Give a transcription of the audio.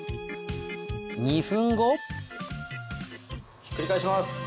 ２分後ひっくり返します。